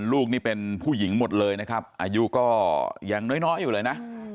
ลูกนี่เป็นผู้หญิงหมดเลยนะครับอายุก็ยังน้อยอยู่เลยนะ